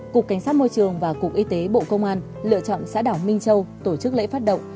cục cảnh sát môi trường và cục y tế bộ công an lựa chọn xã đảo minh châu tổ chức lễ phát động